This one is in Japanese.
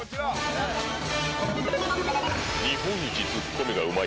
日本一ツッコミがうまい。